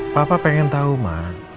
papa pengen tau ma